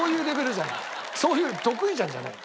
そういう「得意じゃん」じゃない。